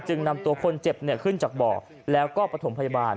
นำตัวคนเจ็บขึ้นจากบ่อแล้วก็ประถมพยาบาล